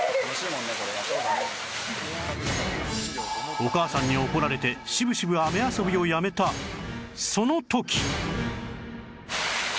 お母さんに怒られてしぶしぶ雨遊びをやめたその時